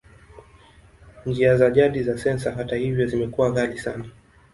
Njia za jadi za sensa, hata hivyo, zimekuwa ghali zaidi.